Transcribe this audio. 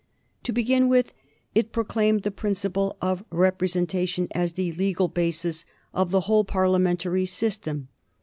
To begin with, it proclaimed the principle of representation as the legal basis of the whole Parliamentary system.